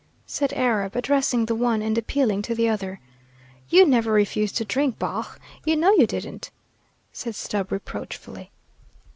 said Arab, addressing the one and appealing to the other. "You never refused no drink, Baugh, you know you didn't," said Stubb reproachfully.